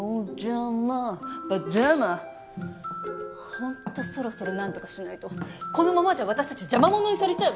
ホントそろそろ何とかしないとこのままじゃ私たち邪魔者にされちゃうわよ。